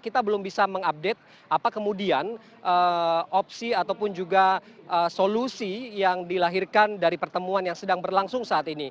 kita belum bisa mengupdate apa kemudian opsi ataupun juga solusi yang dilahirkan dari pertemuan yang sedang berlangsung saat ini